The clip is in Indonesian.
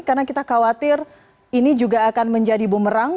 karena kita khawatir ini juga akan menjadi bumerang